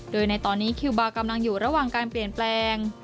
โดยในตอนนี้คิวบาร์กำลังอยู่ระหว่างการเปลี่ยนแปลง